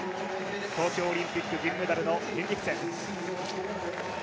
東京オリンピック銀メダルのヘンリクセン。